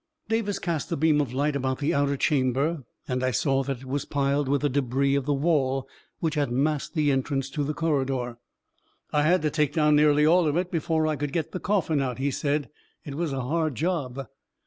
Davis cast the beam of light about the outer cham ber, and I saw that it was piled with the debris of the wall which had masked the entrance to the corri dor. " I had to take down nearly all of it before I could get the coffin out," he said; " it was. a hard job."